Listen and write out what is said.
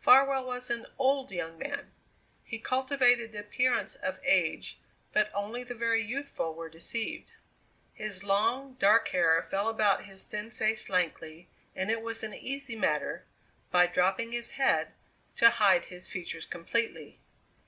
Farwell was an old young man; he cultivated the appearance of age, but only the very youthful were deceived. His long, dark hair fell about his thin face lankly, and it was an easy matter, by dropping his head, to hide his features completely.